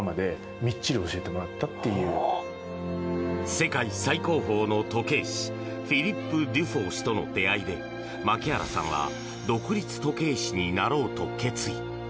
世界最高峰の時計師フィリップ・デュフォー氏との出会いで牧原さんは独立時計師になろうと決意。